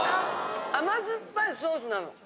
甘酸っぱいソースなの。